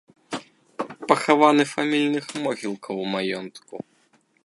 Пахаваны фамільных могілках ў маёнтку.